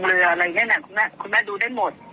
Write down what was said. ก็เห็นแล้วถึงไม่ตื่นเต้นไง